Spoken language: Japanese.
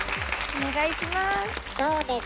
お願いします。